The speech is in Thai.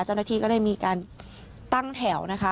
เจ้าหน้าที่ก็ได้มีการตั้งแถวนะคะ